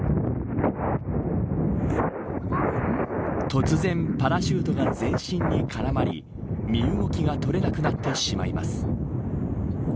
突然パラシュートが全身に絡まり身動きが取れなくなってしまいます。